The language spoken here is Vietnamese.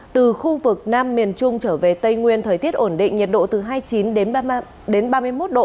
từ khu vực nam miền trung trở về tây nguyên thời tiết ổn định nhiệt độ từ hai mươi chín đến ba mươi một độ